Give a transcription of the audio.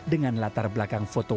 dengan latar belakang foto